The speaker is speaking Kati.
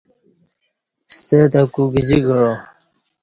ستہ تہ کو گجی کعا